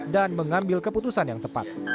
dan mengambil keputusan yang tepat